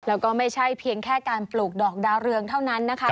แล้วก็ไม่ใช่เพียงแค่การปลูกดอกดาวเรืองเท่านั้นนะคะ